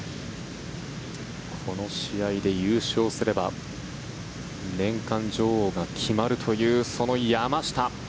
この試合で優勝すれば年間女王が決まるというその山下。